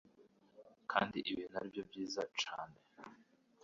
Kandi ibintu aribyo byiza cane